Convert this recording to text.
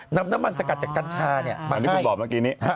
นำน้ำมันสกัดจากกรรชามันให้